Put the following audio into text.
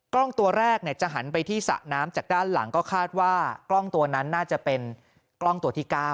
กล้องตัวแรกจะหันไปที่สระน้ำจากด้านหลังก็คาดว่ากล้องตัวนั้นน่าจะเป็นกล้องตัวที่๙